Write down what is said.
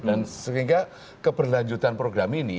dan sehingga keberlanjutan program ini